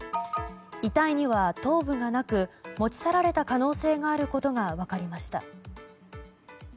遺体には頭部がなく持ち去られた可能性があることが分かりました。